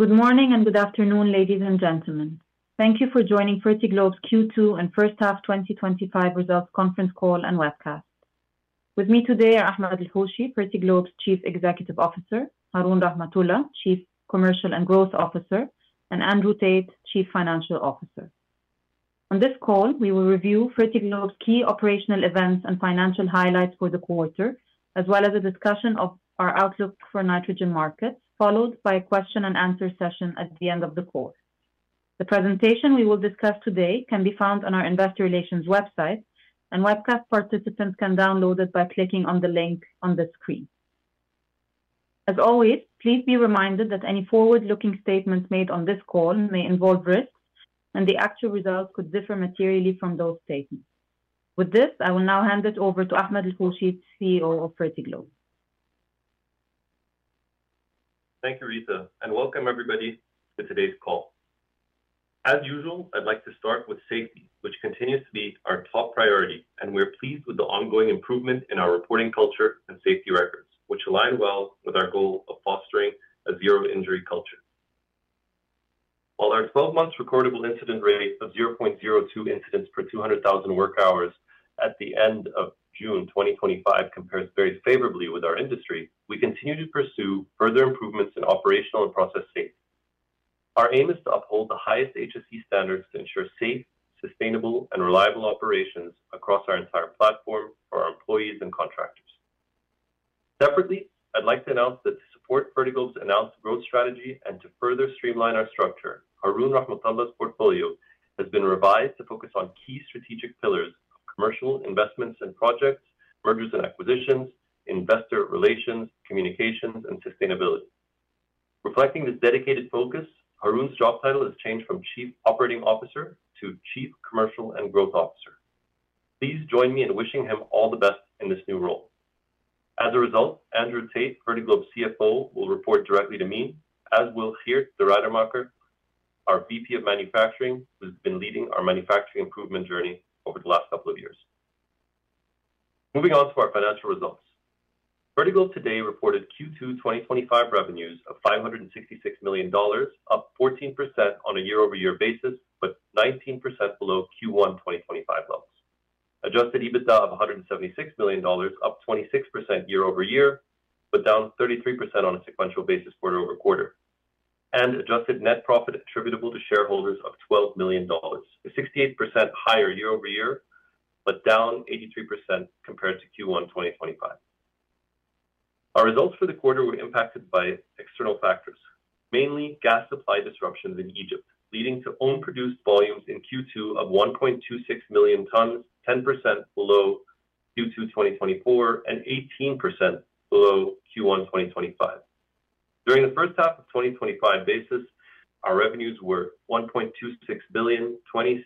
Good morning and good afternoon ladies and gentlemen. Thank you for joining Fertiglobe's Q2 and First Half 2025 Results Conference Call and Webcast. With me today are Ahmed El-Hoshy, Fertiglobe's Chief Executive Officer, Haroon Rahmathulla, Chief Commercial and Growth Officer, and Andrew Tait, Chief Financial Officer. On this call we will review Fertiglobe's key operational events and financial highlights for the quarter, as well as a discussion of our outlook for nitrogen markets, followed by a question-and-answer session at The end of the course. The presentation we will discuss today can be found on our Investor Relations website and webcast. Participants can download it by clicking on the link on the screen. As always, please be reminded that any forward-looking statements made on this call may involve risks and the actual results could differ materially from those statements. With this, I will now hand it over to Ahmed El-Hoshy, CEO of Fertiglobe. Thank you, Rita, and welcome everybody to today's call. As usual, I'd like to start with safety, which continues to be our top priority, and we're pleased with the ongoing improvement in our reporting culture and safety records, which align well with our goal of fostering a zero injury culture. While our 12 months recordable incident rate of 0.02 incidents per 200,000 work hours at the end of June 2025 compares very favorably with our industry, we continue to pursue further improvements in operational and process safety. Our aim is to uphold the highest HSE standards to ensure safe, sustainable, and reliable operations across our entire platform for our employees and contractors. Separately, I'd like to announce that to support Fertiglobe's announced growth strategy and to further streamline our structure, Haroon Rahmathulla's portfolio has been revised to focus on key strategic pillars, commercial investments and projects, mergers and acquisitions, investor relations, communications, and sustainability. Reflecting this dedicated focus, Haroon's job title has changed from Chief Operating Officer to Chief Commercial and Growth Officer. Please join me in wishing him all the best in this new role. As a result, Andrew Tait, Fertiglobe CFO, will report directly to me, as will Geert De Raedemaecker, our VP of Manufacturing, who's been leading our manufacturing improvement journey over the last couple of years. Moving on to our financial results, Fertiglobe today reported Q2 2025 revenues of $566 million, up 14% on a year-over-year basis, but 19% below Q1 2025 levels. Adjusted EBITDA of $176 million, up 26% year-over-year, but down 33% on a sequential basis quarter over quarter, and adjusted net profit attributable to shareholders of $12 million, 68% higher year-over-year but down 83% compared to Q1 2025. Our results for the quarter were impacted by external factors, mainly gas supply disruptions in Egypt leading to own-produced volumes in Q2 of 1.26 million tons, 10% below Q2 2024 and 18% below Q1 2025. During the first half of 2025, our revenues were $1.26 billion, 20%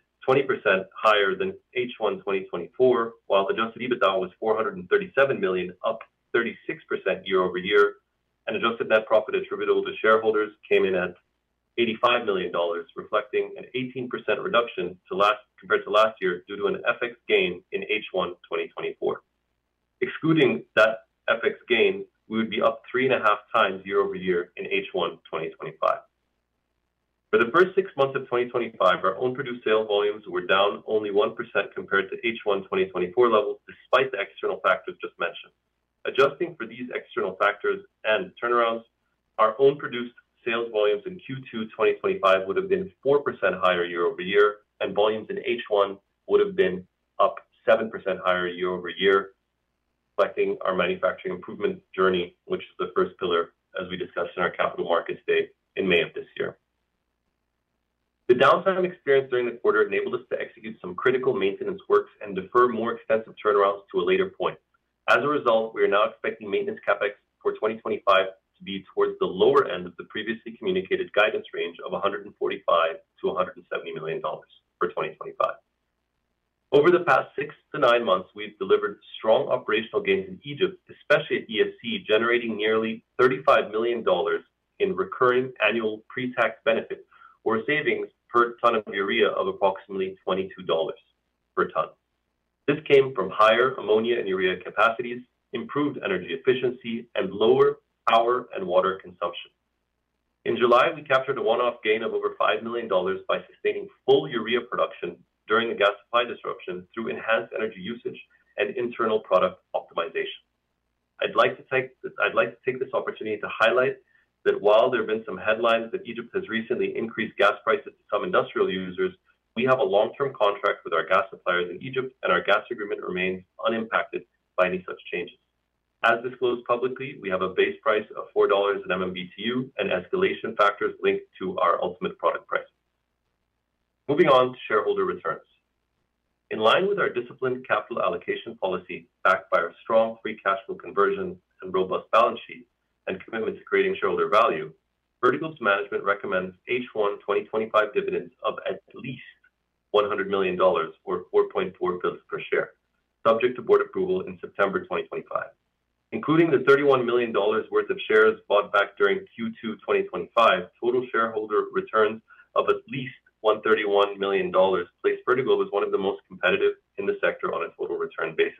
higher than H1 2024, while adjusted EBITDA was $437 million, up 36% year-over-year, and adjusted net profit attributable to shareholders came in at $85 million, reflecting an 18% reduction compared to last year due to an FX gain in H1 2024. Excluding that FX gain, we would be up three and a half times year-over-year in H1 2025. For the first six months of 2025 our own produced sales volumes were down only 1% compared to H1 2024 levels despite the external factors just mentioned. Adjusting for these external factors and turnarounds, our own produced sales volumes in Q2 2025 would have been 4% higher year-over-year and volumes in H1 would have been up 7% higher year-over-year, reflecting our manufacturing improvement journey which is the first pillar. As we discussed in our Capital Markets Day in May of this year, the downtime experienced during the quarter enabled us to execute some critical maintenance works and defer more extensive turnarounds to a later point. As a result, we are now expecting maintenance CapEx for 2025 to be towards the lower end of the previously communicated guidance range of $145 million-$170 million for 2025. Over the past six to nine months we've delivered strong operational gain in Egypt, especially at EFC, generating nearly $35 million in recurring annual pre-tax benefits or savings per ton of urea of approximately $22 per ton. This came from higher ammonia and urea capacities, improved energy efficiency, and lower power and water consumption. In July we captured a one-off gain of over $5 million by sustaining full urea production during the gas supply disruption through enhanced energy usage and internal product optimization. I'd like to take this opportunity to highlight that while there have been some headlines that Egypt has recently increased gas prices for some industrial users, we have a long-term contract with our gas suppliers in Egypt and our gas agreement remains unimpacted by any such changes. As disclosed publicly, we have a base price of $4 an MMBTU and escalation factors linked to our ultimate product price. Moving on to Shareholder Returns, in line with our disciplined capital allocation policy backed by our strong free cash flow conversion and robust balance sheet and commitment to creating shareholder value verticals, management recommends H1 2025 dividends of at least $1,100 million or $4.4 per share subject to board approval in September 2025. Including the $31 million worth of shares bought back during Q2 2025, total shareholder return of at least $131 million places Fertiglobe as one of the most competitive in the sector on a total return basis.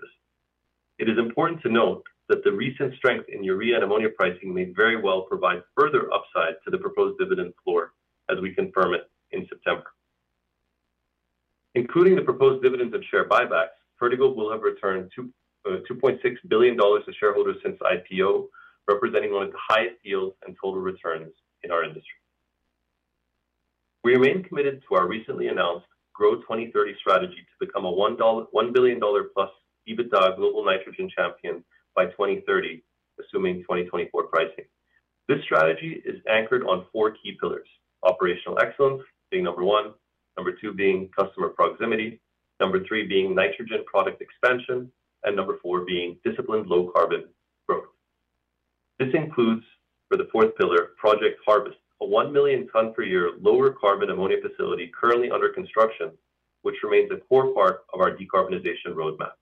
It is important to note that the recent strength in urea and ammonia pricing may very well provide further upside to the proposed dividend floor as we confirm it in September. Including the proposed dividend and share buyback, Fertiglobe will have returned $2.6 billion to shareholders since IPO, representing one of the highest yield and total returns in our industry. We remain committed to our recently announced Grow 2030 strategy to become a $1 billion+ EBITDA global nitrogen champion by 2030 assuming 2024 pricing. This strategy is anchored on four key pillars: operational excellence being number one, number two being customer proximity, number three being nitrogen product expansion, and number four being disciplined low-carbon growth. This includes for the fourth pillar Project Harvest, a 1 million ton per year low-carbon ammonia facility currently under construction, which remains a core part of our decarbonization roadmap.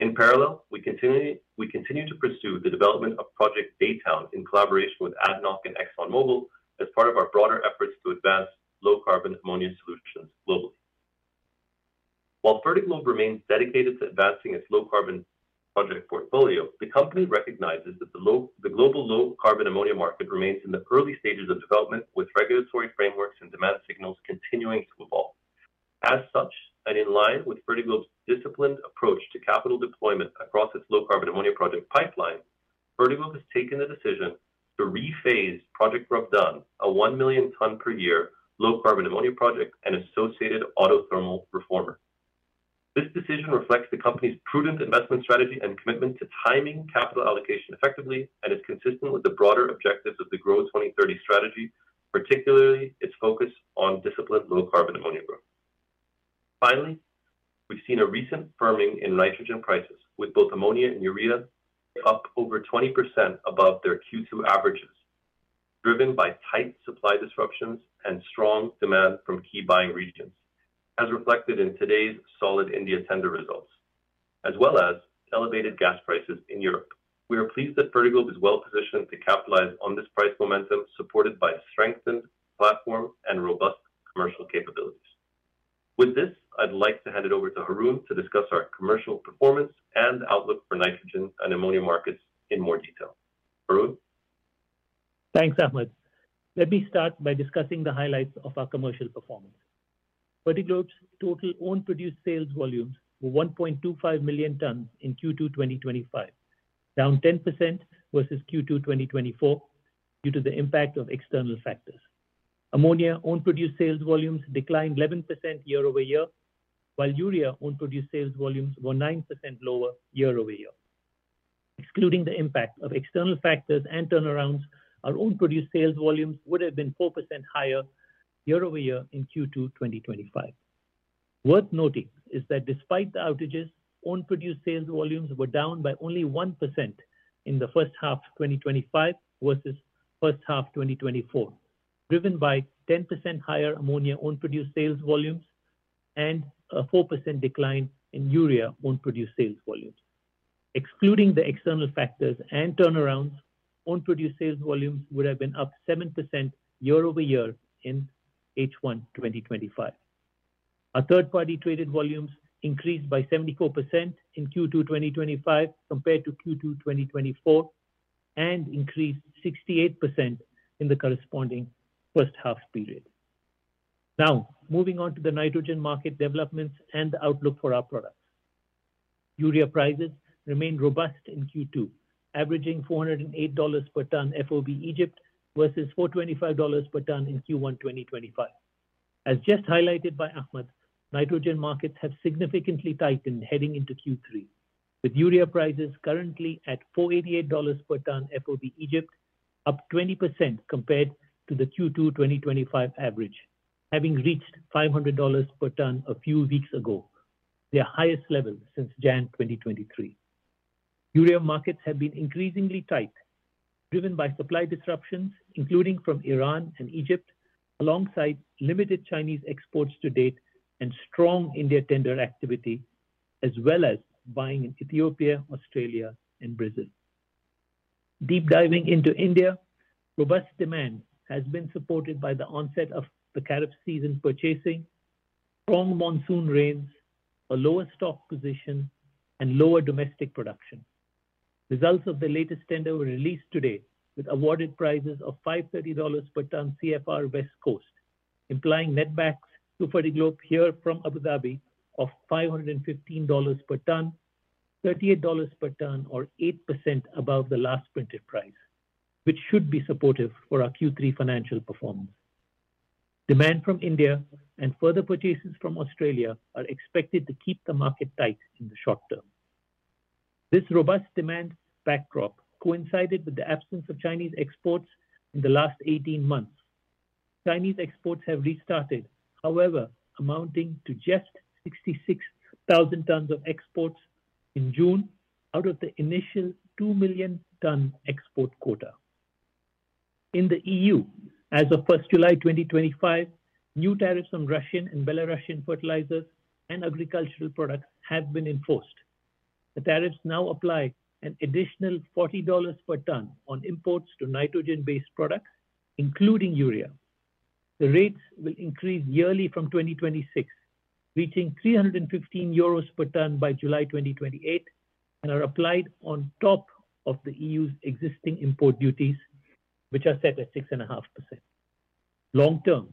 In parallel, we continue to pursue the development of Project Baytown in collaboration with ADNOC and ExxonMobil as part of our broader efforts to advance low-carbon ammonia solutions globally. While Fertiglobe remains dedicated to advancing its low-carbon project portfolio, the company recognizes that the global low-carbon ammonia market remains in the early stages of development, with regulatory frameworks and demand signals continuing to evolve. As such, and in line with Fertiglobe's disciplined approach to capital deployment across its low-carbon ammonia project pipeline, Fertiglobe has taken the decision to rephase Project Ruwais, a 1 million ton per year low-carbon ammonia project and associated auto-thermal reformer. This decision reflects the company's prudent investment strategy and commitment to timing capital allocation effectively and is consistent with the broader objectives of the Grow 2030 strategy, particularly its focus on disciplined low-carbon ammonia growth. Finally, we've seen a recent firming in nitrogen prices with both ammonia and urea up over 20% above their Q2 averages, driven by tight supply disruptions and strong demand from key buying regions as reflected in today's solid India tender results as well as elevated gas prices in Europe. We are pleased that Fertiglobe is well positioned to capitalize on this price momentum, supported by a strengthened platform and robust commercial capabilities. With this, I'd like to hand it over to Haroon to discuss our commercial performance and outlook for nitrogen and ammonia markets in more detail. Haroon, thanks Ahmed. Let me start by discussing the highlights of our commercial performance. Fertiglobe's total own-produced sales volumes were 1.25 million tonnes in Q2 2025, down 10% versus Q2 2024 due to the impact of external factors. Ammonia own-produced sales volumes declined 11% year-over-year, while urea own-produced sales volumes were 9% lower year-over-year. Excluding the impact of external factors and turnarounds, our own-produced sales volumes would have been 4% higher year-over-year in Q2 2025. Worth noting is that despite the outages, own-produced sales volumes were down by only 1% in the first half 2025 versus first half 2024, driven by 10% higher ammonia own-produced sales volumes and a 4% decline in urea own-produced sales volumes. Excluding the external factors and turnarounds, own-produced sales volumes would have been up 7% year-over-year in H1 2025. Our third-party traded volumes increased by 74% in Q2 2025 compared to Q2 2024 and increased 68% in the corresponding first half period. Now, moving on to the nitrogen market developments and the outlook for our products, urea prices remained robust in Q2, averaging $408 per tonne FOB Egypt versus $425 per tonne in Q1 2025. As just highlighted by Ahmed, nitrogen markets have significantly tightened heading into Q3, with urea prices currently at $488 per tonne FOB Egypt, up 20% compared to the Q2 2025 average, having reached $500 per tonne a few weeks ago, their highest level since January 2023. Urea markets have been increasingly tight, driven by supply disruptions including from Iran and Egypt, alongside limited Chinese exports to date and strong India tender activity, as well as buying in Ethiopia, Australia, and Brazil. Deep diving into India, robust demand has been supported by the onset of the carrot season, purchasing, strong monsoon rains, a lower stock position, and lower domestic production. Results of the latest tender were released today with awarded prices of $530 per tonne CFR West Coast, implying netbacks to Fertiglobe here from Abu Dhabi of $515 per tonne, $38 per tonne or 8% above the last printed price, which should be supportive for our Q3 financial performance. Demand from India and further purchases from Australia are expected to keep the market. Tight in the short term. This robust demand backdrop coincided with the absence of Chinese exports in the last 18 months. Chinese exports have restarted, however, amounting to just 66,000 tons of exports in June out of the initial 2 million ton export quota in the EU. As of 1st July, 2025, new tariffs on Russian and Belarusian fertilizer and agricultural products have been enforced. The tariffs now apply an additional $40 per ton on imports to nitrogen-based products including urea. The rates will increase yearly from 2026, reaching €315 per ton by July 2028, and are applied on top of the EU's existing import duties, which are set at 6.5%. Long-term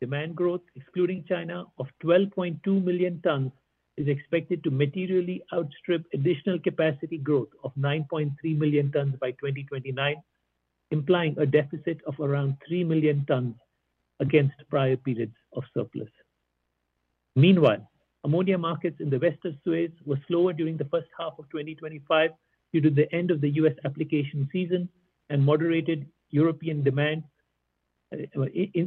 demand growth excluding China of 12.2 million tons is expected to materially outstrip additional capacity growth of 9.3 million tons by 2029, implying a deficit of around 3 million tons against prior periods of surplus. Meanwhile, ammonia markets in the west of Suez were slower during the first half of 2025 due to the end of the U.S. application season and moderated European demand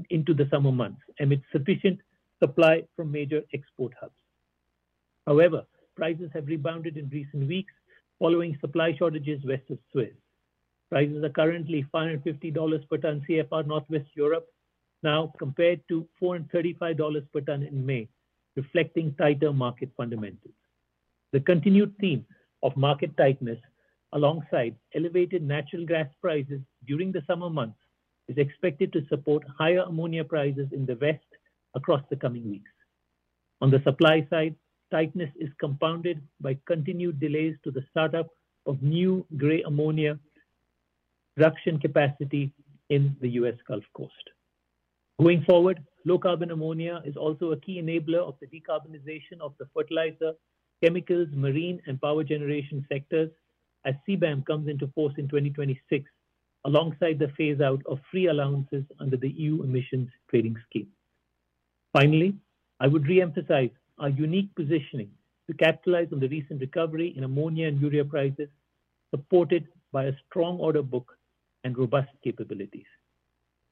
into the summer months amid sufficient supply from major export hubs. However, prices have rebounded in recent weeks following supply shortages. West of Suez prices are currently $550 per ton CFR Northwest Europe now compared to $435 per ton in May, reflecting tighter market fundamentals. The continued theme of market tightness alongside elevated natural gas prices during the summer months is expected to support higher ammonia prices in the west across the coming weeks. On the supply side, tightness is compounded by continued delays to the startup of new gray ammonia production capacity in the U.S. Gulf Coast. Going forward, low-carbon ammonia is also a key enabler of the decarbonization of the fertilizer, chemicals, marine, and power generation sectors as CBAM comes into force in 2026 alongside the phase-out of free allowances under the EU Emissions Trading Scheme. Finally, I would reemphasize our unique positioning to capitalize on the recent recovery in ammonia and urea prices supported by a strong order book and robust capabilities.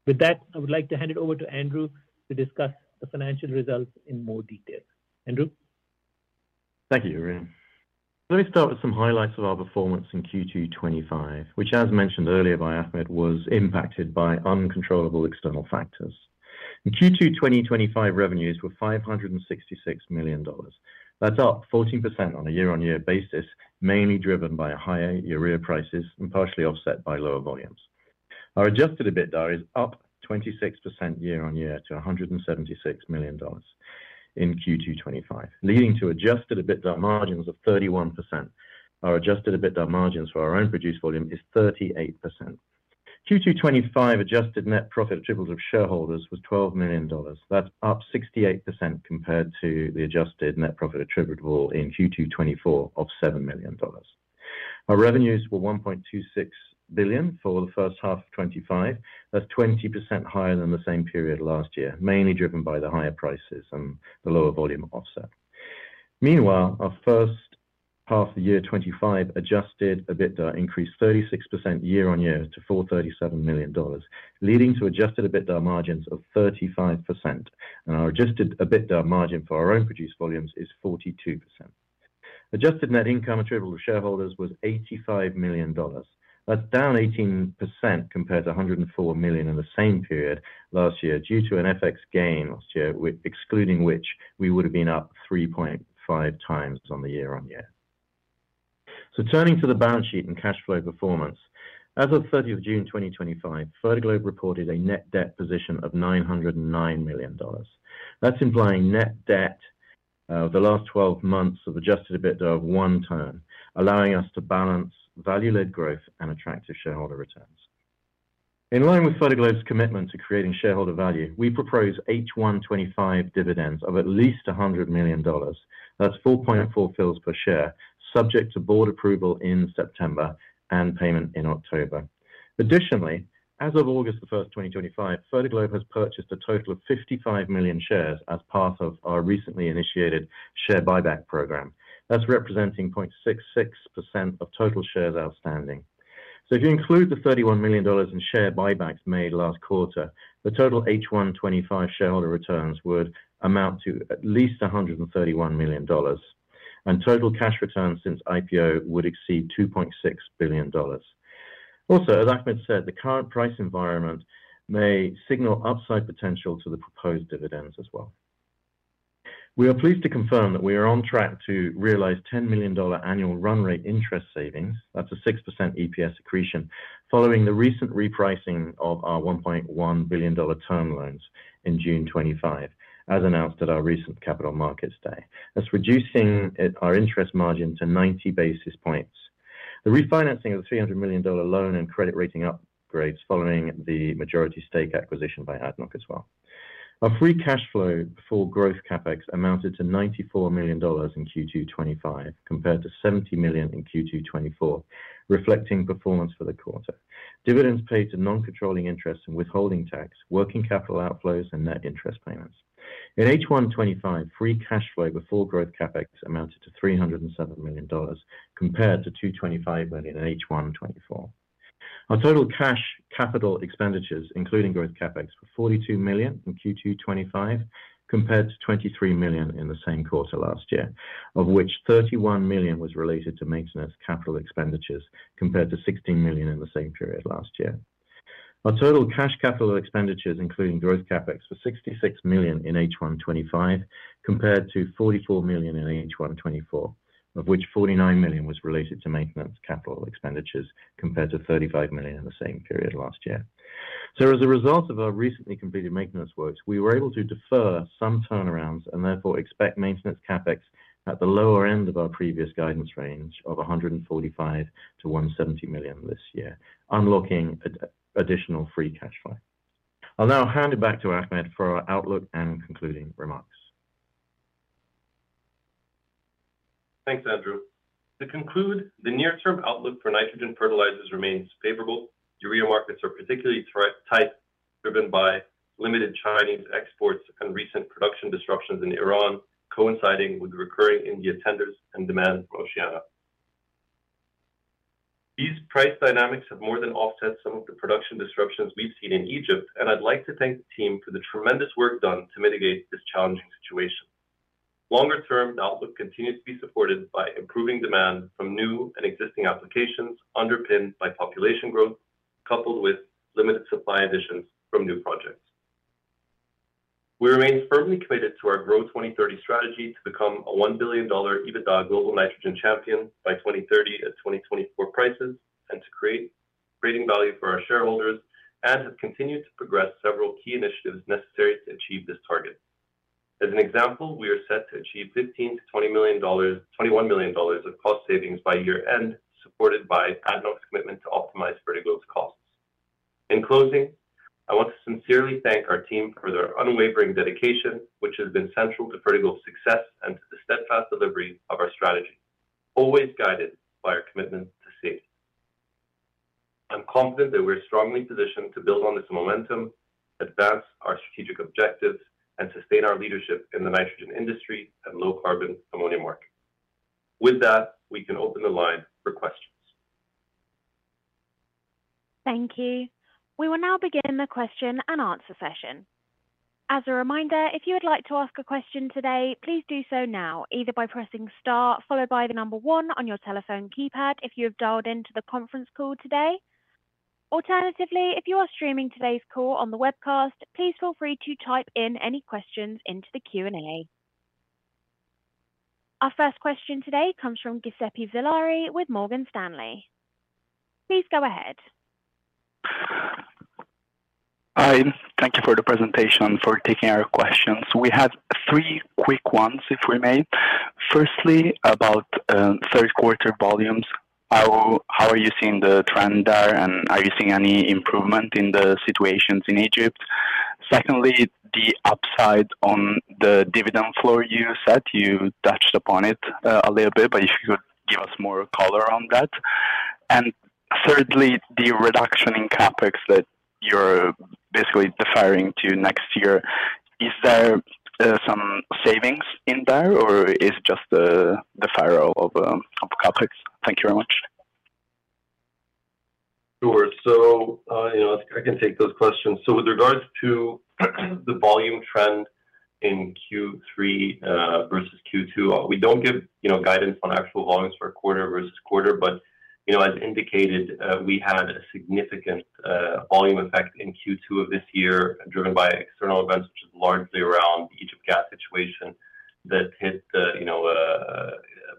With that, I would like to hand it over to Andrew to discuss the financial results in more detail. Andrew. Thank you, Haroon. Let me start with some highlights of our performance in Q2 2025, which as mentioned earlier by Ahmed, was impacted by uncontrollable external factors. Q2 2025 revenues were $566 million. That's up 14% on a year-on-year basis, mainly driven by higher urea prices and partially offset by lower volumes. Our adjusted EBITDA is up 26% year-on-year to $176 million in Q2 2025, leading to adjusted EBITDA margins of 31%. Our adjusted EBITDA margins for our own-produced volume is 38%. Q2 2025 adjusted net profit attributable to shareholders was $12 million. That's up 68% compared to the adjusted net profit attributable in Q2 2024 of $7 million. Our revenues were $1.26 billion for 1H 2025. That's 20% higher than the same period last year, mainly driven by the higher prices and the lower volume offset. Meanwhile, our first half of the year 2025 adjusted EBITDA increased 36% year-on-year to $437 million, leading to adjusted EBITDA margins of 35%, and our adjusted EBITDA margin for our own-produced volumes is 42%. Adjusted net income attributable to shareholders was $85 million. That's down 18% compared to $104 million in the same period last year due to an FX gain last year, excluding which we would have been up 3.5x on the year-on-year. Turning to the balance sheet and cash flow performance, as of 30th June 2025, Fertiglobe reported a net debt position of $909 million. That's implying net debt to last 12 months of adjusted EBITDA of 1x, allowing us to balance value-led growth and attractive shareholder returns. In line with Fertiglobe's commitment to creating shareholder value, we propose H1 2025 dividends of at least $100 million. That's $0.044 per share, subject to board approval in September and payment in October. Additionally, as of August 1, 2025, Fertiglobe has purchased a total of 55,000,000 shares as part of our recently initiated share buyback program. That's representing 0.66% of total shares outstanding. If you include the $31 million in share buybacks made last quarter, the total H1 2025 shareholder returns would amount to at least $131 million, and total cash return since IPO would exceed $2.6 billion. Also, as Ahmed said, the current price environment may signal upside potential to the proposed dividends as well. We are pleased to confirm that we are on track to realize $10 million annual run rate interest savings. That's a 6% EPS benefit from the recent repricing of our $1.1 billion term loans in June 2025, as announced at our recent Capital Markets Day. That's reducing our interest margin to 90 basis points, the refinancing of the $300 million loan and credit rating upgrades following the majority stake acquisition by ADNOC as well. Our free cash flow for growth CapEx amounted to $94 million in Q2 2025 compared to $70 million in Q2 2024, reflecting performance for the quarter, dividends paid to non-controlling interest and withholding tax, working capital outflows, and net interest payments. In H1 2025, free cash flow before growth CapEx amounted to $307 million compared to $225 million in H1 2024. Our total cash capital expenditures including growth CapEx were $42 million in Q2 2025 compared to $23 million in the same quarter last year, of which $31 million was related to maintenance capital expenditures compared to $16 million in the same period last year. Our total cash capital expenditures including growth CapEx was $66 million in H1 2025 compared to $44 million in H1 2024, of which $49 million was related to maintenance capital expenditures compared to $35 million in the same period last year. As a result of our recently completed maintenance works, we were able to defer some turnarounds and therefore expect maintenance CapEx at the lower end of our previous guidance range of $145 million-$170 million this year, unlocking additional free cash flow. I'll now hand it back to Ahmed for our outlook and concluding remarks. Thanks, Andrew. To conclude, the near term outlook for nitrogen fertilizers remains favorable. Urea markets are particularly tight, driven by limited Chinese exports and recent production disruptions in Iran, coinciding with recurring India tenders and demand for Oceania. These price dynamics have more than offset some of the production disruptions we've seen in Egypt, and I'd like to thank the team for the tremendous work done to mitigate this challenging situation. Longer term, the outlook continues to be supported by improving demand from new and existing applications underpinned by population growth coupled with limited supply additions from new projects. We remain firmly committed to our Growth 2030 strategy to become a $1 billion EBITDA global nitrogen champion by 2030 at 2024 prices and to create breathing value for our shareholders and have continued to progress several key initiatives necessary to achieve this target. As an example, we are set to achieve $15 million-$21 million of cost savings by year end, supported by ADNOC's commitment to optimize Fertiglobe's cost. In closing, I want to sincerely thank our team for their unwavering dedication, which has been central to Fertiglobe's success, and the steadfast delivery of our strategy, always guided by our commitment to safety. I'm confident that we're strongly positioned to build on this momentum, advance our strategic objectives, and sustain our leadership in the nitrogen industry and low-carbon ammonia market. With that, we can open the line for questions. Thank you. We will now begin the question-and-answer session. As a reminder, if you would like to ask a question today, please do so now either by pressing Star followed by the number one on your telephone keypad if you have dialed into the conference call today. Alternatively, if you are streaming today's call on the webcast, please feel free to type in any questions into the Q&A. Our first question today comes from Giuseppe Zillari with Morgan Stanley. Please go ahead. Hi, thank you for the presentation, for taking our questions. We had three quick ones, if we may. Firstly, about third quarter volumes. How are you seeing the trend there, and are you seeing any improvement in the situations in Egypt? Secondly, the upside on the dividend floor, you said you touched upon it a if you could give a little bit.us more color on that. Thirdly, the reduction in CapEx that you're basically deferring to next year, is there some savings in there or is it just the deferral of CapEx? Thank you very much. I can take those questions. With regards to the volume trend in Q3 versus Q2, we don't give guidance on actual volumes for quarter versus quarter. As indicated, we had a significant volume effect in Q2 of this year driven by external events largely around the Egypt gas situation that hit a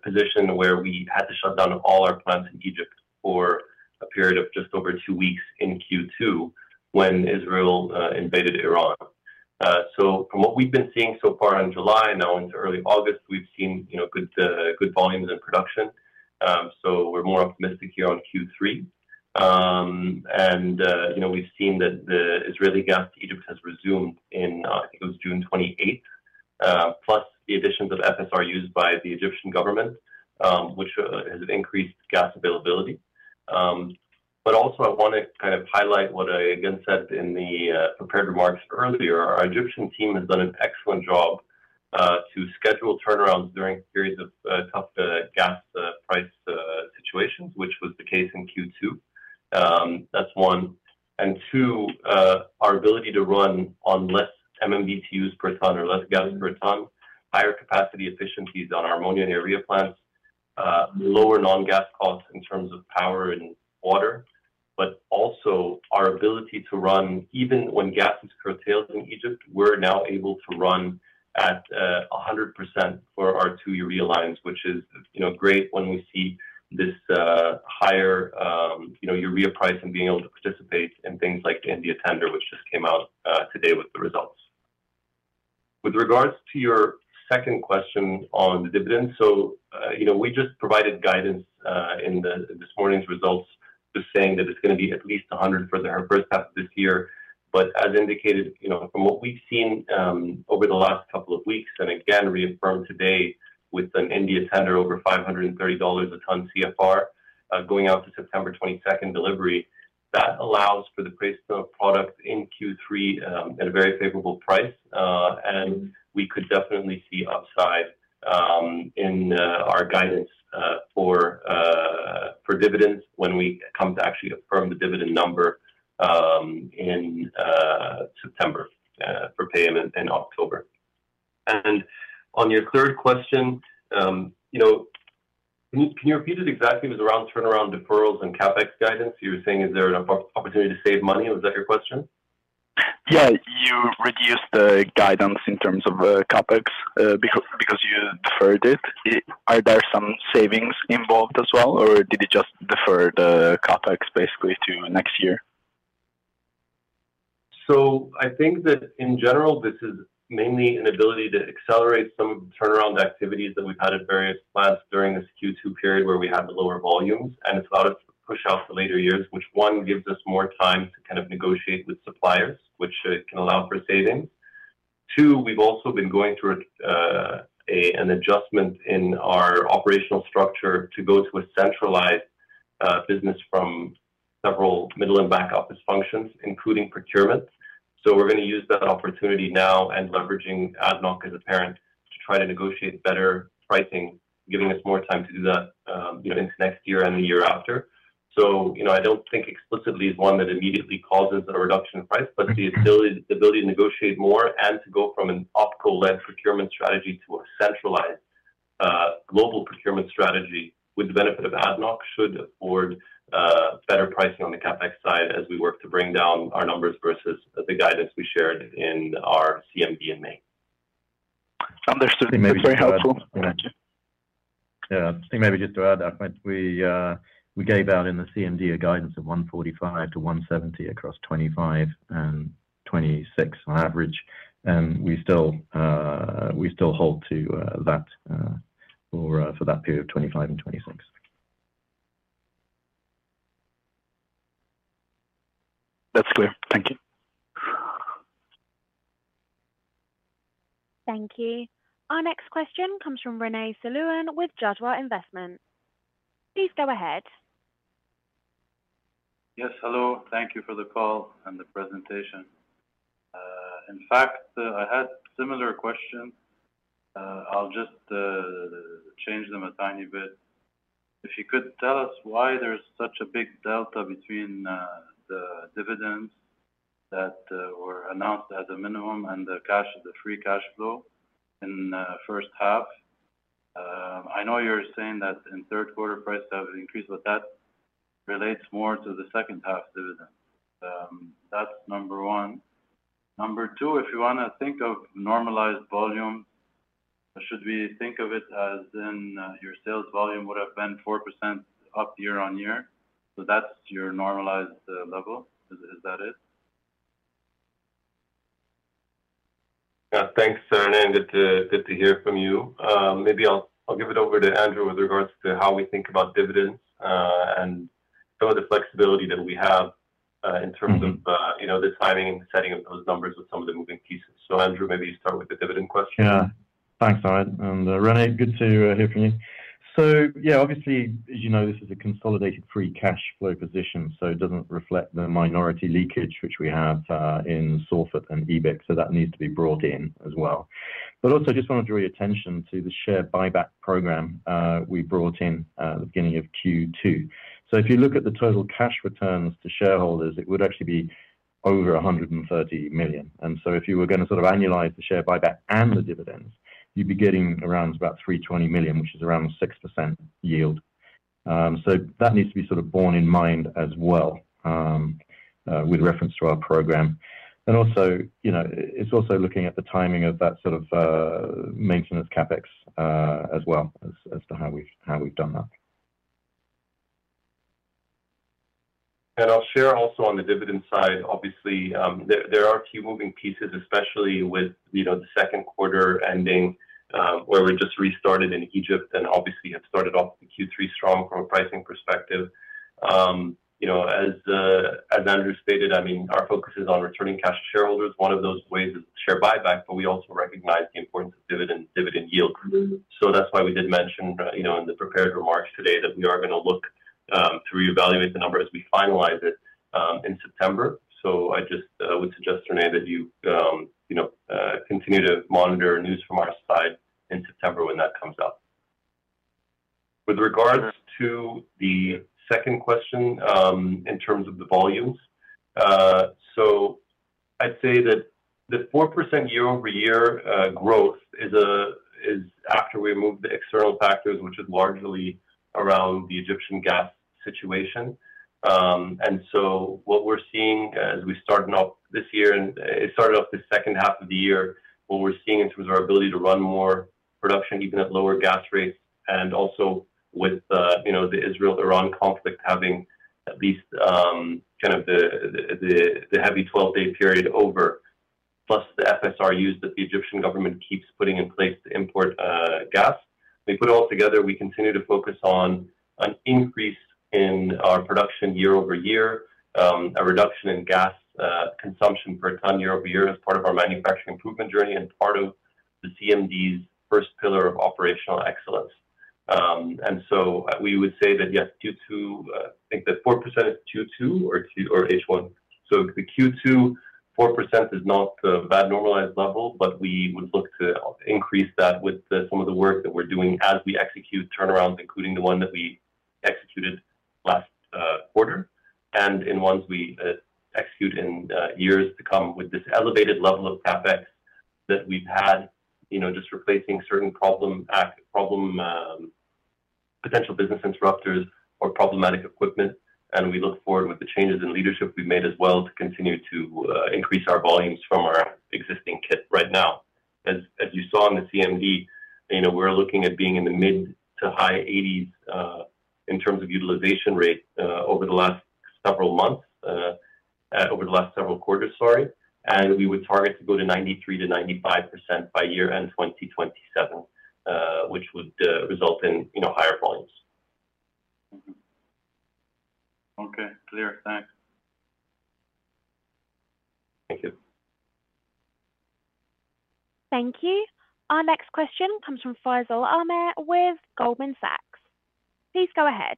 position where we had to shut down all our plants in Egypt for a period of just over two weeks in Q2 when Israel invaded Iran. From what we've been seeing so far in July now into early August, we've just seen good volumes in production. We're more optimistic here on Q3. We've seen that the Israeli gas to Egypt has resumed in it was June 28, plus the additions of FSRUs by the Egyptian government, which has increased gas availability. I want to highlight what I again said in the prepared remarks earlier. Our Egyptian team has done an excellent job to schedule turnarounds during periods of gas price situations, which was the case in Q2, that's 1 and 2. Our ability to run on less MMDT use per ton or less gas per ton, higher capacity efficiencies on ammonia and urea plants, lower non-gas costs in terms of power and water, but also our ability to run even when gas curtailed in Egypt. We're now able to run at 100% for our two urea lines, which is great when we see this higher urea price and being able to participate in things like the India tender which just came out today with the results. With regards to your second question on the dividend, we just provided guidance in this morning's results just saying that it's going to be at least $100 for our first half this year. As indicated, from what we've seen over the last couple of weeks and again reaffirmed today with an India tender over $530 a ton CFR going out to September 22d delivery, that allows for the price to product in Q3 at a very favorable price. We could definitely see upside in our guidance for dividends when we come to actually affirm the dividend number in September for payment in October. On your third question, can you repeat it exactly with the turnaround deferrals and CapEx guidance, you're saying is there an opportunity to save money? Was that your question? Yeah. You reduced the guidance in terms of CapEx because you deferred it. Are there some savings involved as well, or did you just defer the CapEx basically to next year? I think that in general this is mainly an ability to accelerate some of the turnaround activities that we've had at various plants during this Q2 period where we had the lower volumes, and it's allowed us to push out for later years, which gives us more time to kind of negotiate with suppliers, which can allow for saving. We've also been going through an adjustment in our operational structure to go to a centralized business from several middle and back office functions, including procurement. We're going to use that opportunity now and, leveraging ADNOC as a parent, try to negotiate better pricing, giving us more time to do that next year and the year after. I don't think explicitly it is one that immediately causes a reduction in price, but the ability to negotiate more and to go from an optical-led procurement strategy to a centralized global procurement strategy with the benefit of ADNOC should afford better pricing on the CapEx side as we work to bring down our numbers versus the guidance we shared in our CMB. Yeah, maybe just to add that point, we gave out in the CMD a guidance of 145-170 across 2025 and 2026 on average. We still hold to that for that period of 2025 and 2026. That's clear. Thank you. Thank you. Our next question comes from Rene Selouan with Jadwa Investment. Please go ahead. Yes, hello. Thank you for the call and the presentation. In fact, I had similar question. I'll just change them a tiny bit. If you could tell us why there's such a big delta between the dividends that were announced at the minimum and the cash of the free cash flow in first half. I know you're saying that in third quarter price increase, but that relates more to the second half dividend. That's number one. Number two, if you want to think of normalized volume, should we think of it as in your sales volume would have been 4% up year-on-year. So that's your normalized level, is that it? Thanks, good to hear from you. I'll give it over to Andrew with regards to how we think about dividend and some of the flexibility that we have in terms of the timing and setting of those numbers with some of the moving pieces. Andrew, maybe start with the dividend question. Yeah, thanks Ahmed and Rene, good to hear from you. Obviously, as you know, this is a consolidated free cash flow position, so it doesn't reflect the minority leakage which we have in Salford and EBIT. That needs to be brought in as well. I just want to draw your attention to the share buyback program we brought in at the beginning of Q2. If you look at the total cash returns to shareholders, it would actually be over $130 million. If you were going to sort of annualize the share buyback and the dividends, you'd be getting around about $320 million, which is around 6% yield. That needs to be sort of borne in mind as well with reference to our program. Also, it's looking at the timing of that sort of maintenance CapEx as well as to how we've done that. I'll share also on the dividend side, obviously there are a few moving pieces, especially with the second quarter ending where we just restarted in Egypt and obviously have started off Q3 strong from a pricing perspective. As manager stated, our focus is on returning cash to shareholders. One of those ways is share buyback. We also recognize the importance of dividend, dividend yield. That's why we did mention, you know, in the prepared remarks today that we are going to look to reevaluate the number as we finalize it in September. I just would suggest, Renee, that you, you know, continue to monitor news from our side in September when that comes out. With regards to the second question in terms of the volume, I'd say that the 4% year-over-year growth is after we removed the external factors, which is largely around the Egyptian gas situation. What we're seeing as we start off this year, and as we started off the second half of the year, what we're seeing in terms of our ability to run more production even at lower gas rates. Also, with the Israel-Iran conflict having at least kind of the heavy 12 day period over, plus the FSRUs that the Egyptian government keeps putting in place to import gas, they put it all together. We continue to focus on an increase in our production year over year, a reduction in gas consumption per ton year over year as part of our manufacturing improvement journey and part of the CMD's first pillar of operational excellence. We would say that, yes, Q2, I think that 4%, Q2 or H1, so the Q2 4% is not that normalized level, but we would look to increase that with some of the work that we're doing as we execute turnarounds, including the one that we executed last quarter and in ones we execute in years to come with this elevated level of CapEx that we've had, you know, just replacing certain problem, problem potential business interrupters or problematic equipment. We look forward with the changes in leadership we've made as well to continue to increase our volumes from our existing kit. Right now, as you saw in the CMD, you know, we're looking at being in the mid to high 80s in terms of utilization rate over the last several months, over the last several quarters. Sorry. We would target to go to 93%-95% by year end 2027, which would result in, you know, higher volumes. Okay, clear. Thanks. Thank you. Our next question comes from Faisal Ahmed with Goldman Sachs. Please go ahead.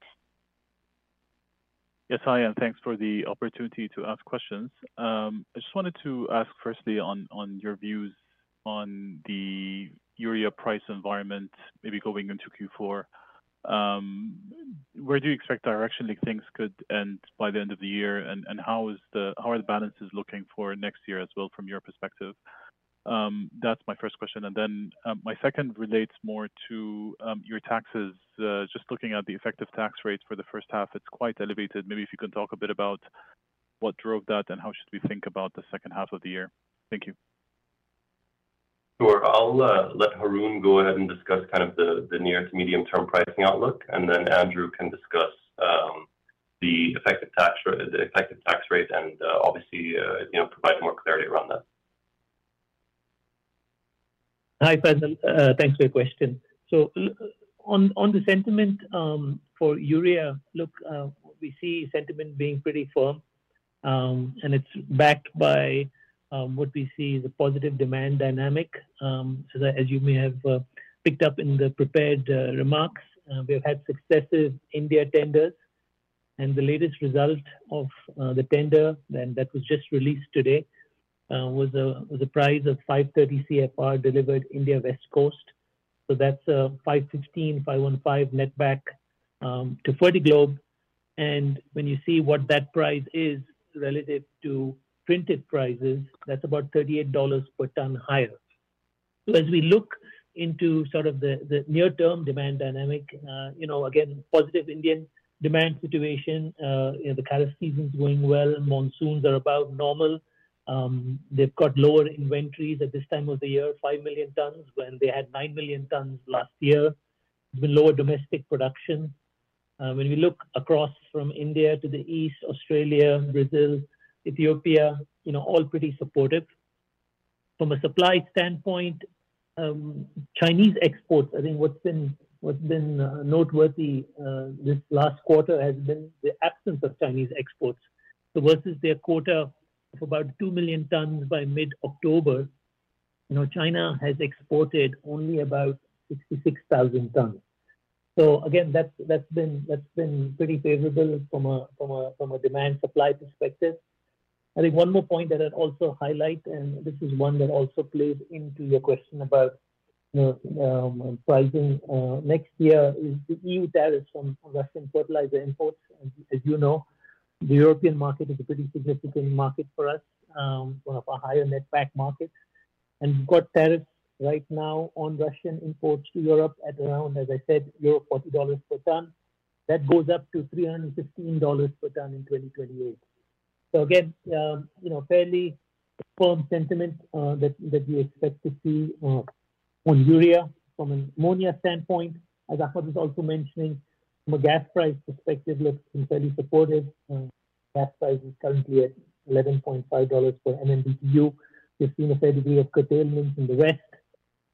Yes, I am. Thanks for the opportunity to ask questions. I just wanted to ask firstly on your views on the urea price environment, maybe going into Q4. Where do you expect direction things could end by the end of the year, and how are the balances looking for next year as well from your perspective? That's my first question, and then my second relates more to your taxes. Just looking at the effective tax rate for the first half, it's quite elevated. Maybe if you can talk a bit about what drove that and how should we think about the second half of the year. Thank you. I'll let Haroon go ahead and discuss kind of the near to medium term pricing outlook, and then Andrew can discuss the effective tax rate. The effective tax rate and obviously, you know, provide more clarity around that. Hi Faisal, thanks for your question. On the sentiment for urea, we see sentiment being pretty firm and it's backed by what we see, the positive demand dynamic as you may have picked up in the prepared remarks. We've had successive India tenders and the latest result of the tender that was just released today was a price of $530 CFR delivered India West Coast. That's $515 netback to Fertiglobe. When you see what that price is relative to printed prices, that's about $38 per ton higher. As we look into the near term demand dynamic, again positive Indian demand situation. The calisthenics going well, monsoons are about normal. They've got lower inventories at this time of the year, 5 million tons when they had 9 million tons last year, lower domestic production. When we look across from India to the east, Australia, Brazil, Ethiopia, all pretty supportive from a supply standpoint. Chinese exports, I think what's been noteworthy this last quarter has been the absence of Chinese exports versus their quota of about 2 million tons by mid-October. Now China has exported only about 66,000 tons. That's been pretty favorable from a demand supply perspective, I think. One more point that I'd also highlight, and this is one that also plays into your question about pricing next year, is the E.U. tariffs from Western fertilizer import. As you know, the European market is a pretty significant market for us for higher netback market and we've got tariffs right now on Russian imports to Europe at around, as I said, €40 per ton. That goes up to €315 per ton in 2028. Fairly firm sentiment that we expect to see from an ammonia standpoint as Ahmed was also mentioning from a gas price perspective, fairly supportive. That price is currently at $11.5 per MMBtu. We've seen a fair degree of curtailments in the West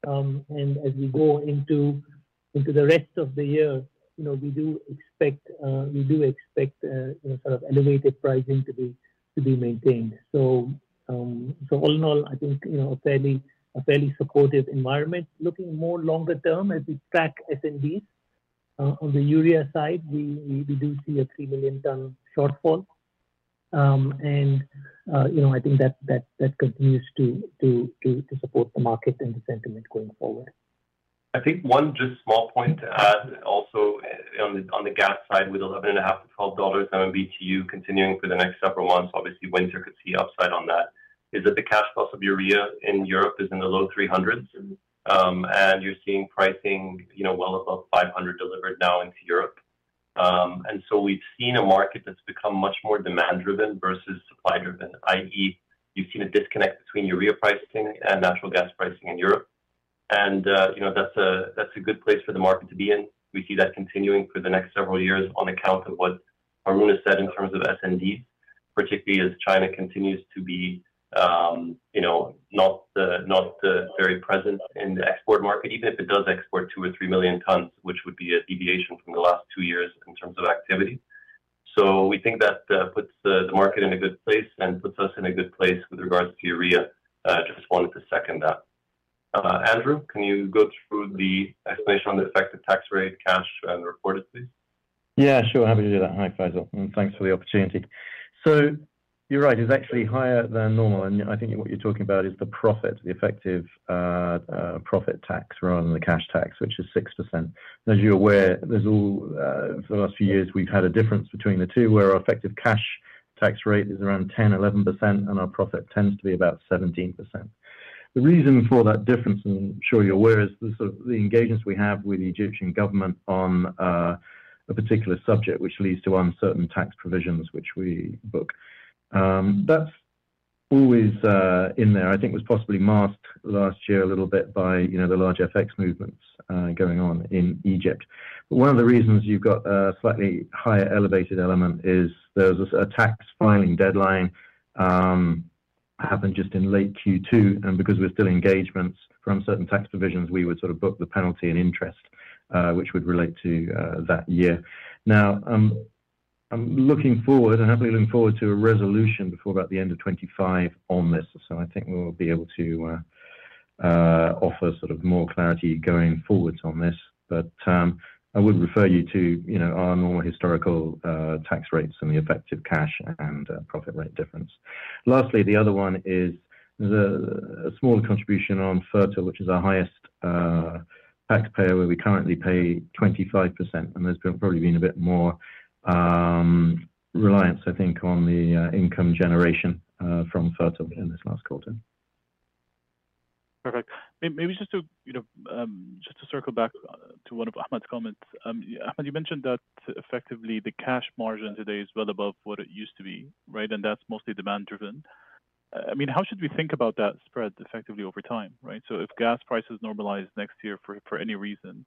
and as we go into the rest of the year, we do expect elevated pricing to be maintained. All in all, I think a fairly supportive environment looking more longer term as we track S&D. On the urea side, we do see a 3 million ton shortfall and I think that continues to support the market and the sentiment going forward. I think one just small point to add also on the gas side with $11.5-$12 MMBtu continuing for the next several months. Obviously, winter could see upside on that, is that the cash flow of urea in Europe is in the low $300s and you're seeing pricing well above $500 delivered now into Europe. We've seen a market that's become much more demand driven versus supply driven, i.e., you've seen a disconnect between urea pricing and natural gas pricing in Europe, and that's a good place for the market to be in. We see that continuing for the next several years on account of what Haroon said in terms of SMD, particularly as China continues to be, you know, not, not very present in the export market, even if it does export 2 million tonnes or 3 million tonnes, which would be a deviation from the last two years in terms of activity. We think that puts the market in a good place and puts us in a good place with regards to urea. If wanted to second that. Andrew, can you go through the explanation on the effective tax rate cash and reported? Yeah, sure, happy to do that. Hi Faisal, and thanks for the opportunity. You're right, it's actually higher than normal and I think what you're talking about is the profit, the effective profit tax rather than the cash tax, which is 6%. As you're aware, the last few years we've had a difference between the two where our effective cash tax rate is around 10%, 11% and our profit tends to be about 17%. The reason for that difference, I'm sure you're aware, is the engagements we have with the Egyptian government on a particular subject which leads to uncertain tax provisions which we book. That's always in there, I think it was possibly masked last year a little bit by the large FX movements going on in Egypt. One of the reasons you've got a slightly higher elevated element is there was a tax filing deadline happened just in late Q2, and because we're still engagements from certain tax provisions, we would sort of book the penalty and interest which would relate to that year. Now I'm looking forward and happily looking forward to a resolution before about the end of 2025 on this. I think we'll be able to offer more clarity going forwards on this. I would refer you to our normal historical tax rates and the effective cash and profit rate difference. Lastly, the other one is a smaller contribution on Fertile, which is our highest taxpayer, where we currently pay 25%. There's probably been a bit more reliance, I think, on the income generation from Fertile in this last quarter. Perfect. Maybe just to circle back to one of Ahmed's comments. Ahmed, you mentioned that effectively the cash margin today is well above what it used to be, right? And that's mostly demand driven. I mean, how should we think about that spread effectively over time? Right? If gas prices normalize next year for any reason,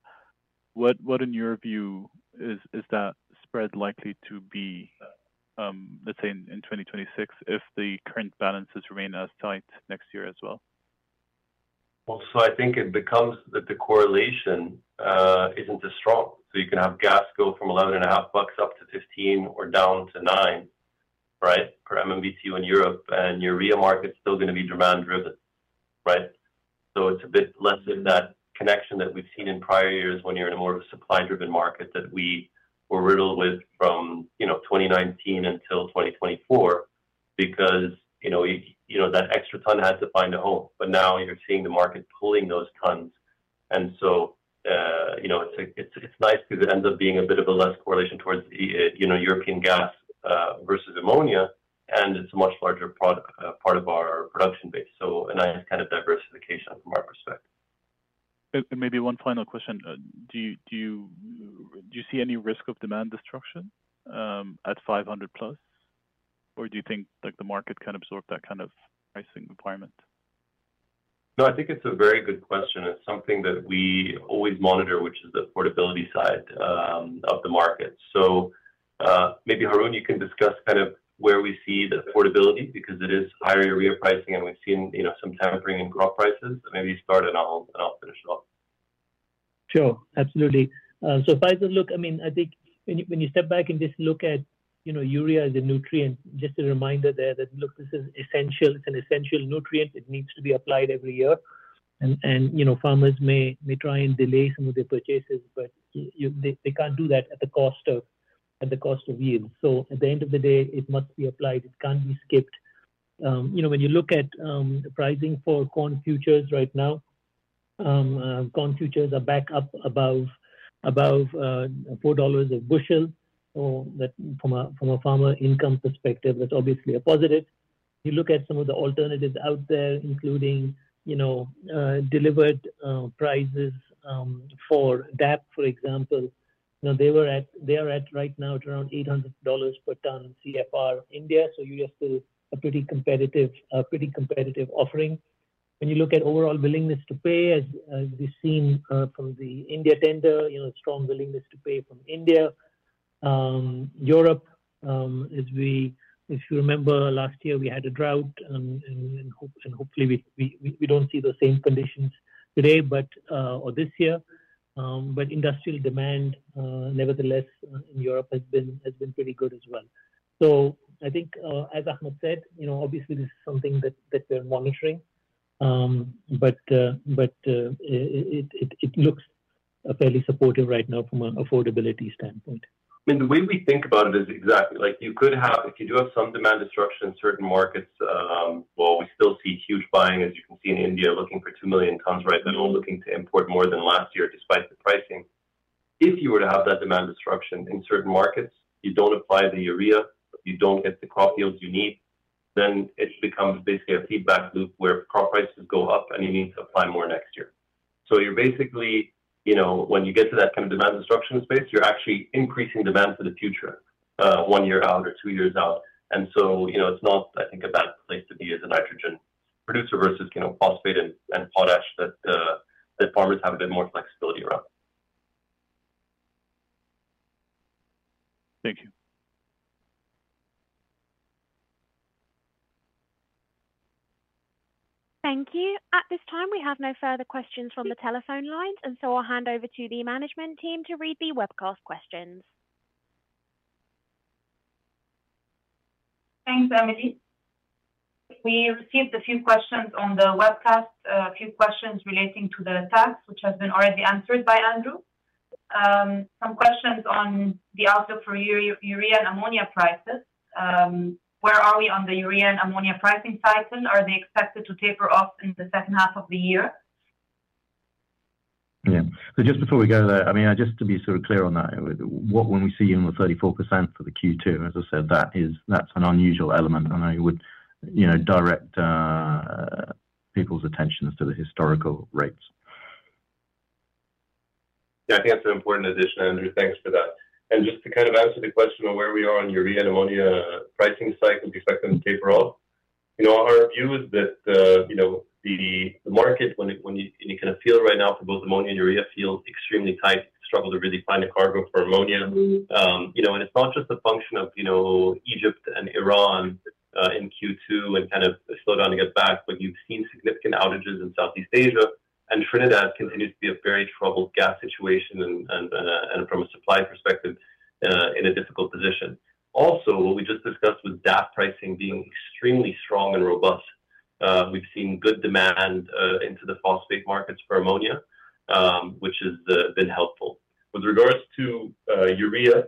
what in your view is that spread likely to be, let's say in 2026, if the current balances remain as tight next year as well? I think it becomes that the correlation isn't as strong. You can have gas go from $11.5 up to $15 or down to $9 per MMBtu in Europe and your urea market is still going to be demand driven. It's a bit less in that connection that we've seen in prior years when you're in a more supply driven market that we were riddled with from 2019 until 2024 because that extra ton had to find a home. Now you're seeing the market pulling those tons and it's nice because it ends up being a bit of a less correlation towards European gas versus ammonia and it's a much larger part of our production base. A nice kind of diversification from our perspective. Maybe one final question. Do you see any risk of demand destruction at $500+ or do you think the market can absorb that kind of pricing requirement? No, I think it's a very good question. It's something that we always monitor, which is the portability side of the market. Maybe Haroon, you can discuss kind of where we see the affordability because it is higher area pricing and we've seen some tampering in crop prices. Maybe start and I'll finish it off. Sure, absolutely. Faizal, look, I mean, I think when you step back and just look at, you know, urea as a nutrient, just a reminder there that, look, this is essential. It's an essential nutrient. It needs to be applied every year. You know, farmers may try and delay some of their purchases, but they can't do that at the cost of yield. At the end of the day it must be applied, it can't be skipped. You know, when you look at pricing for corn futures right now, corn futures are back up above $4 a bushel. From a farmer income perspective, that's obviously a positive. You look at some of the alternatives out there, including, you know, delivered prices for DAP, for example, now they are at around $800 per ton CFR India. So it's a pretty competitive, pretty competitive offering. When you look at overall willingness to pay, as we've seen from the India tender, you know, strong willingness to pay from India. Europe, as you remember last year, we had a drought and hopefully we don't see the same conditions this year. Industrial demand nevertheless in Europe has been pretty good as well. I think, as Ahmed said, this is something that we're monitoring, but it looks fairly supportive right now from an affordability standpoint. I mean, the way we think about it is exactly like you could have, if you do have some demand disruption in certain markets, while we still see huge buying in India, looking for 2 million tonnes right now, looking to import more than last year, despite the pricing. If you were to have that demand disruption in certain markets, you don't apply the urea, you don't get the crop yields you need, then it becomes basically a feedback loop where crop prices go up and you need to apply more next year. You're basically, you know, when you get to that kind of demand disruption space, you're actually increasing demand for the future one year out or two years out. It's not, I think, a bad place to be as a nitrogen producer versus, you know, phosphate and potash that farmers have a bit more flexibility around. Thank you. Thank you. At this time we have no further questions from the telephone lines, and I'll hand over to the management team to read the webcast questions. Thanks, Amity. We received a few questions on the webcast, a few questions relating to the task which has been already answered by Andrew. Some questions on the outlook for urea and ammonia prices. Where are we on the urea and ammonia pricing cycle? Are they expected to taper off in the second half of the year? Yeah. Just before we go there, I mean, just to be sort of clear on that, when we see you on the 34% for Q2, as I said, that is an unusual element, and I would, you know, direct people's attentions to the historical rates. Yeah, I think that's an important addition, Andrew, thanks for that. Just to kind of answer the question on where we are on urea ammonia pricing cycle effectiveness Q2, our view is that the, you know, the market, when you kind of feel right now for both ammonia and urea, feels extremely tight. Struggle to really find a cargo for ammonia, you know, and it's not just a function of, you know, Egypt and Iran in Q2 and kind of slow down to get back, but you've seen significant outages in Southeast Asia and Trinidad continues to be a very troubled gas situation and from a supply perspective in a difficult position. Also, what we just discussed with DAP pricing being extremely strong and robust, we've seen good demand into the phosphate markets for ammonia which has been helpful. With regards to urea,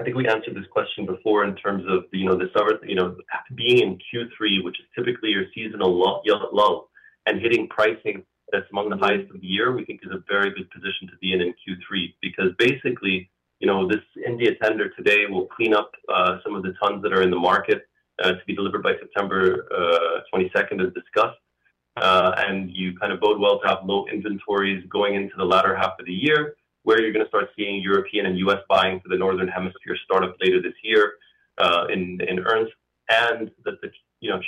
I think we answered this question before in terms of, you know, the summer, you know, being in Q3 which is typically your seasonal low and hitting pricing that's among the highest of the year. We think it's a very good position to be in in Q3 because basically, you know, this India tender today will clean up some of the tons that are in the market to be delivered by September 22nd as discussed. You kind of bode well to have low inventories going into the latter half of the year where you're going to start seeing European and U.S. buying for the Northern Hemisphere startup later this year in earnest and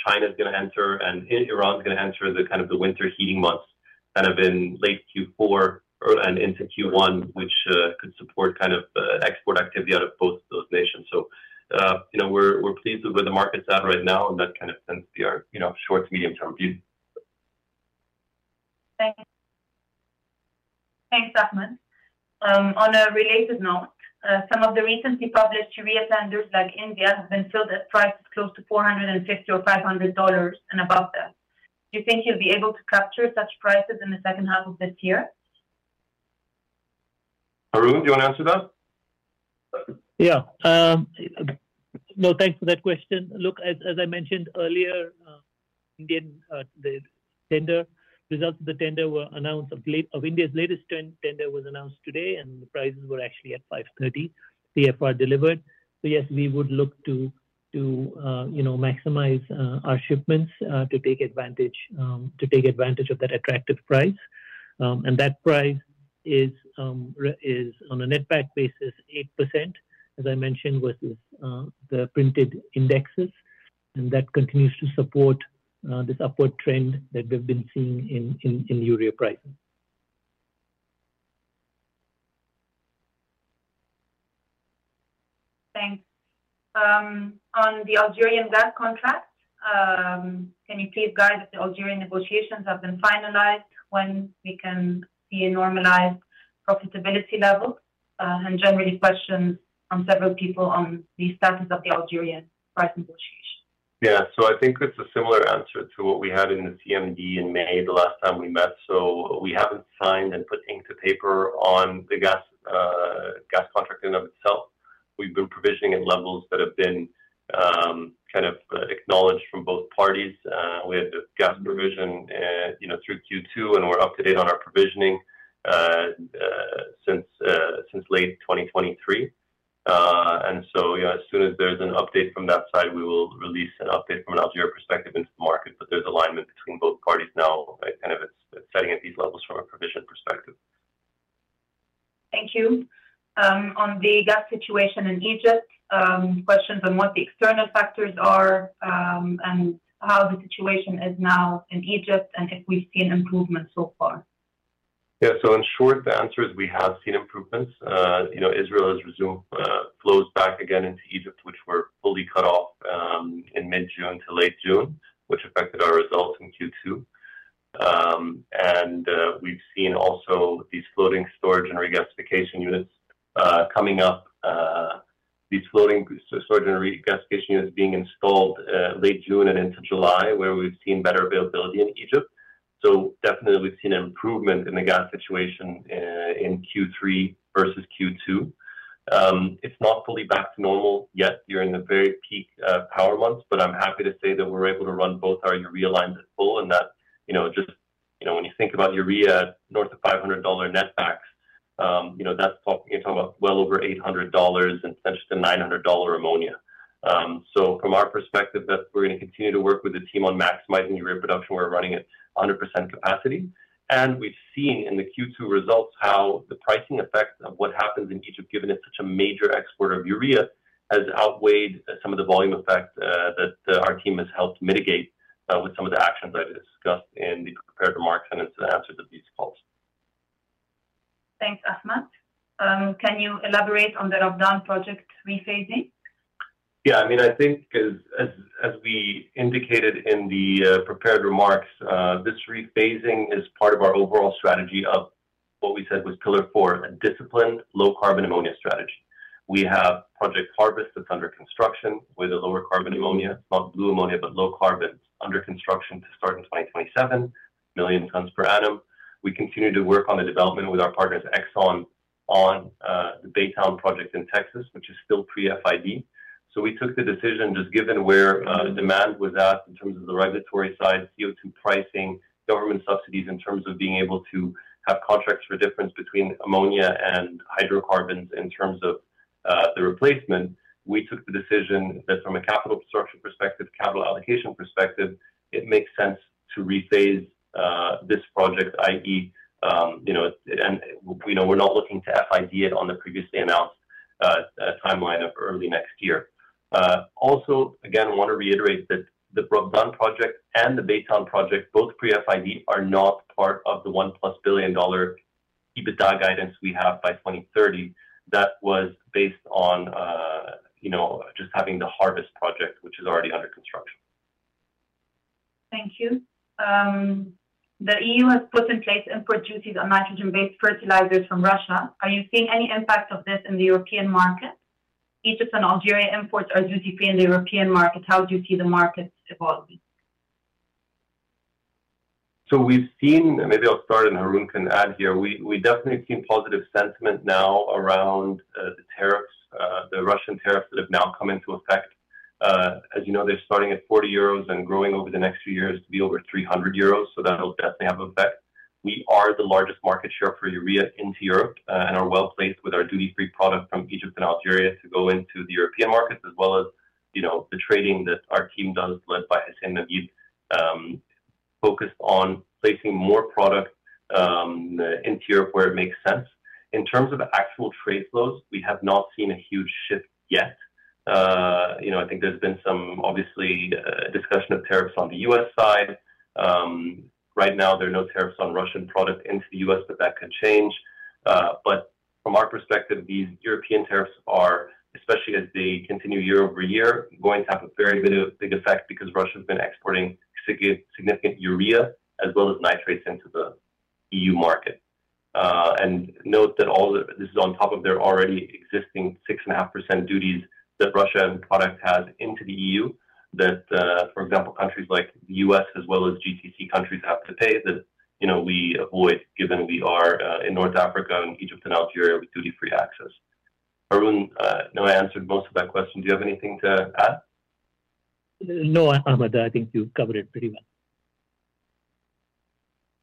China is going to enter and Iran is going to enter the kind of the winter heating months kind of in late Q4 and into Q1 which could support kind of export activity out of both those nations. You know, we're pleased with where the market's at right now. That kind of tends to be our, you know, short to medium term view. Thank you. Thanks, Ahmed. On a related note, some of the recently published Sharia planners like India have been filled at prices close to $450 or $500 and above that. Do you think you'll be able to capture such prices in the second half of this year? Haroon, do you want to answer that? Yeah, no thanks for that question. Look, as I mentioned earlier, the result of India's latest tender was announced today and the prices were actually at $530 CFR delivered. Yes, we would look to, you know, maximize our shipments to take advantage of that attractive price, and that price is on a netback basis 8% as I mentioned with the printed indexes, and that continues to support this upward trend that we've been seeing in urea prices. Thanks. On the Algerian DAC contract, can you please guide that? The Algerian negotiations have been finalized. When can we be at a normalized profitability level, and generally, question from several people on the status of the Algeria price. I think it's a similar answer to what we had in the CMD in May the last time we met. We haven't signed and put ink to paper on the gas contract in and of itself. We've been provisioning at levels that have been kind of acknowledged from both parties. We had a gas provision through Q2 and we're up to date on our provisioning since late 2023. As soon as there's an update from that side, we will release an update from an Algeria perspective into the market. There's alignment between both parties now, it's setting at these levels from a provision perspective. Thank you. On the gas situation in Egypt, questions on what the external factors are, how the situation is now in Egypt, and if we've seen improvements so far. Yeah, so in short, the answer is we have seen improvements. Israel has resumed flows back again into Egypt, which were fully cut off in mid June to late June, which affected our results in Q2. We have seen also these floating storage and regasification units coming up, these floating storage and regasification units being installed late June and into July, where we've seen better availability in Egypt. We have definitely seen an improvement in the gas situation in Q3 versus Q2. It's not fully back to normal yet during the very peak power months. I'm happy to say that we're able to run both our urea lines and that, you know, just, you know, when you think about urea north of $500 netbacks, that's well over $800 and just a $900 ammonia. From our perspective, we're going to continue to work with the team on maximizing urea production, we're running at 100% capacity, and we've seen in the Q2 results how the pricing effect of what happens in Egypt, given it's such a major exporter of urea, has outweighed some of the volume effects that our team has helped mitigate with some of the actions I discussed in the prepared remarks. It's an answer to these calls. Thanks, Ahmed. Can you elaborate on the Project Ruwais rephasing? Yeah, I mean, I think as we indicated in the prepared remarks, this rephasing is part of our overall strategy of what we said was pillar four, a disciplined low-carbon ammonia strategy. We have Project Harvest that's under construction with a low-carbon ammonia, not blue ammonia but low-carbon, under construction to start in 2027, 1 million tons per annum. We continue to work on the development with our partners ExxonMobil on the Project Baytown in Texas, which is still pre-FID. We took the decision just given where the demand was at in terms of the regulatory side, CO2 pricing, government subsidies in terms of being able to have contracts for difference between ammonia and hydrocarbons in terms of the replacement. We took the decision that from a capital structure perspective, capital allocation perspective, it makes sense to rephase this project. We're not looking to FID it on the previously announced timeline of early next year. Also, again, I want to reiterate that the Project Ruwais and the Project Baytown, both pre-FID, are not part of the $1+ billion adjusted EBITDA guidance we have by 2030. That was based on just having the Project Harvest, which is already under construction. Thank you. The E.U. has put in place opportunities on nitrogen-based fertilizers from Russia. Are you seeing any impact of this in the European market? Egypt and Algeria import as GDP in the European market. How do you see the market? We've seen positive sentiment now around the tariffs. The Russian tariffs that have now come into effect, as you know, they're starting at €40 and growing over the next few years to be over €300. That will definitely have an effect. We are the largest market share for urea into Europe and are well placed with our duty free product from Egypt and Algeria to go into the European markets as well. As you know, the trading that our team does, led by Hassan Navid, focused on placing more product into Europe where it makes sense in terms of actual trade flows. We have not seen a huge shift yet. I think there's been some obviously discussion of tariffs on the U.S. side. Right now there are no tariffs on Russian product into the U.S. but that could change. From our perspective, these European tariffs are, especially as they continue year-over-year, going to have a very big effect because Russia has been exporting significant urea as well as nitrates into the E.U. market. Note that all this is on top of their already existing 6.5% duties that Russia and products has into the E.U. For example, countries like the U.S. as well as GTA countries have to pay that we avoid, given we are in North Africa and Egypt and Algeria with duty free access. Haroon? No, I answered most of that question. Do you have anything to add? No, Ahmed, I think you covered it pretty well.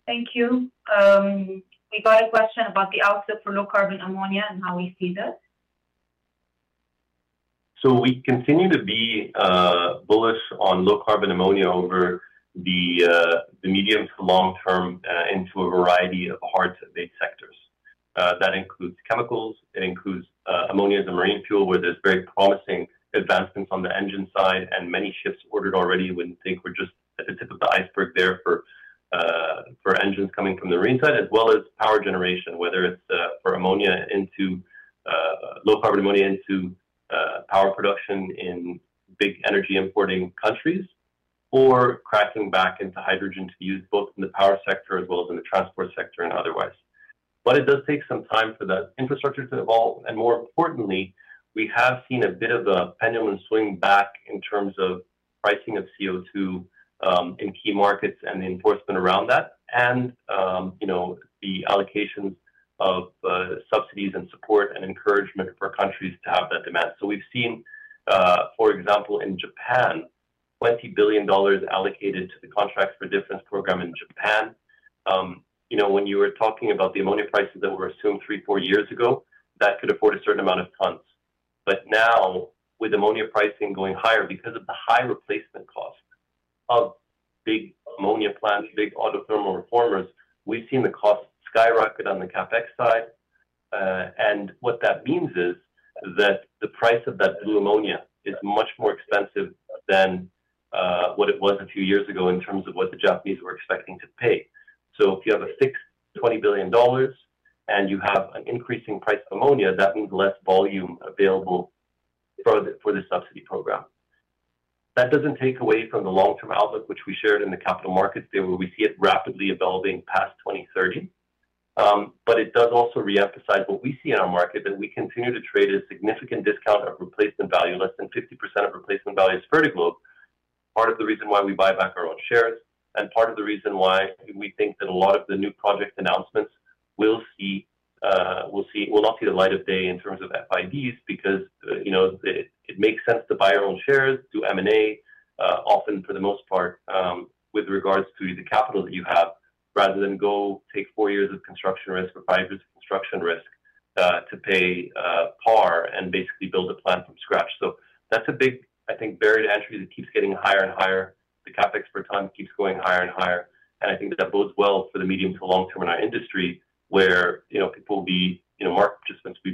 Thank you. We got a question about the outset for low-carbon ammonia and how we see that. We continue to be bullish on low-carbon ammonia over the medium to long term into a variety of hard sectors. That includes chemicals. It includes ammonia, the marine fuel, where there's very promising advancements on the engine side and many ships ordered already. We're just at the tip of the iceberg there for engines coming from the marine side as well as power generation, whether it's for ammonia into low-carbon ammonia into power production, into big energy importing countries, or crashing back into hydrogen to use, both in the power sector as well as in the transport sector and otherwise. It does take some time for the infrastructure to evolve. More importantly, we have seen a bit of a pendulum swing back in terms of pricing of CO2 in key markets and the enforcement around that and the allocation of subsidies and support and encouragement for countries to have that demand. We've seen, for example, in Japan, $20 billion allocated to the Contracts for Difference program. In Japan, when you were talking about the ammonia prices that were assumed three, four years ago that could afford a certain amount of tons, but now with ammonia pricing going higher because of the high replacement cost of big ammonia plants, big auto thermal reformers, we've seen the cost skyrocket on the CapEx side. What that means is that the price of that blue ammonia is much more expensive than what it was a few years ago in terms of what the Japanese were expecting to pay. If you have a fixed $20 billion and you have an increasing price of ammonia, that means less volume available for the subsidy program. That doesn't take away from the long-term outlook, which we shared in the capital markets. We see it rapidly evolving past 2030. It does also re-emphasize what we see in our market that we continue to trade at a significant discount of replacement value, less than 50% of replacement values for the globe. Part of the reason why we buy back our own shares and part of the reason why we think that a lot of the new project announcements. Will.Not see the light of day in terms of FIDs, because it makes sense to buy our own shares. Do M&A often, for the most part, with regards to the capital that you have, rather than go take four years of construction risk or five years of construction risk to pay par and basically build a plant from scratch. That's a big, I think, barrier to entry that keeps getting higher and higher. The CapEx per ton keeps going higher and higher, and I think that bodes well for the medium to long term in our industry where people be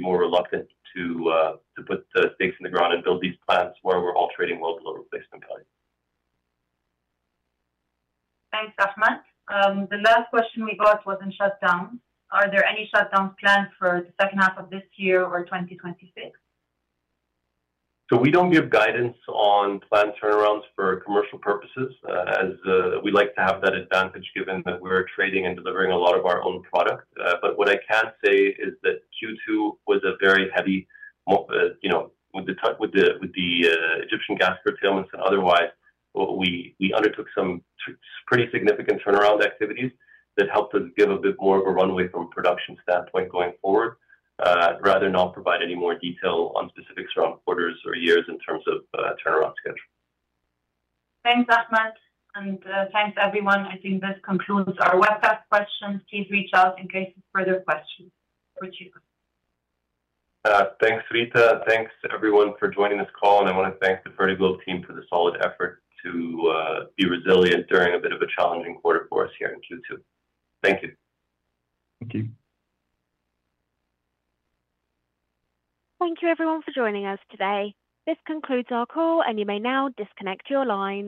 more reluctant to put stakes in the ground and build these plants where we're all trading well below replacement cost. Thanks Ahmed. The last question we got was in shutdown, are there any shutdown planned for the second half of this year or 2026? We don't give guidance on planned turnarounds for commercial purposes as we like to have that advantage given that we're trading and delivering a lot of our own product. What I can say is that Q2 was very heavy, you know, with the Egyptian gas curtailments. Otherwise, we undertook some pretty significant turnaround activities that helped us give a bit more of a runway from a production standpoint going forward. I'd rather not provide any more detail on specific strong orders or years in terms of turnaround schedules. Thanks Ahmed and thanks everyone. I think that concludes our webcast questions. Please reach out in case of further questions. Thanks Rita. Thanks everyone for joining this call and I want to thank the Fertiglobe team for the solid effort to be resilient during a bit of a challenging quarter for us here in Q2. Thank you. Thank you. Thank you everyone for joining us today. This concludes our call, and you may now disconnect your line.